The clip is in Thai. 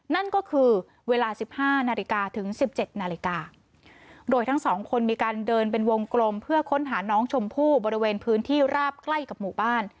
นั่นก็คือเวลาสิบห้านาฬิกาถึงสิบเจ็ดนาฬิกาโดยทั้งสองคนมีการเดินเป็นวงกลมเพื่อค้นหาน้องชมพู่บริเวณพื้นที่ราบใกล้กับหมู่บ้าน